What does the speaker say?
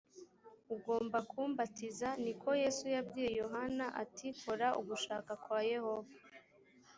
ugomba kumbatiza niko yesu yabwiye yohana ati kora ugushaka kwa yehova